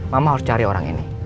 mama harus cari orang ini